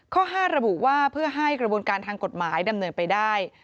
ข้อ๕ระบุว่าเพื่อให้กระบวนการทางกฎหมายดำเนินไปได้